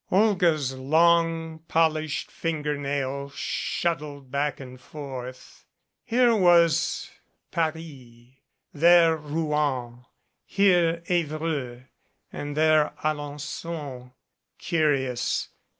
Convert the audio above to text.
Olga's long polished finger nail shuttled back and forth. Here was Paris, there Rouen, here Evreux there Alen9on. Curious!